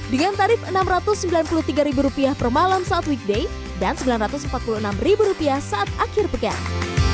dengan tarif rp enam ratus sembilan puluh tiga per malam saat weekday dan rp sembilan ratus empat puluh enam saat akhir pekan